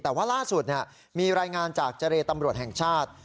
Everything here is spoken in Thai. แต่ว่าล่าสุดมีรายงานจากเจรตำรวจแห่งชาติ